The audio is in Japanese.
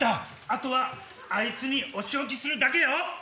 あとはあいつにお仕置きするだけよ。